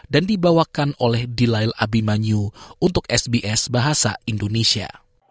dan dibawakan oleh dilail abimanyu untuk sbs bahasa indonesia